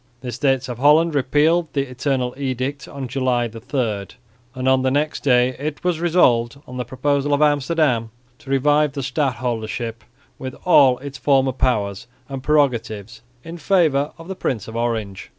The Estates of Holland repealed the Eternal Edict on July 3; and on the next day it was resolved on the proposal of Amsterdam to revive the stadholdership with all its former powers and prerogatives in favour of the Prince of Orange.